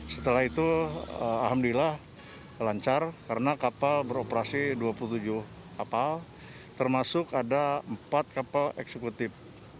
setelah itu alhamdulillah lancar karena kapal beroperasi dua puluh tujuh kapal termasuk ada empat kapal eksekutif